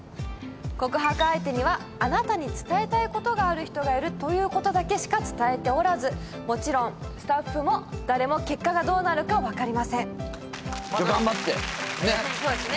告白相手には「あなたに伝えたいことがある人がいる」ということだけしか伝えておらずもちろんスタッフも誰も結果がどうなるか分かりませんねっそうですね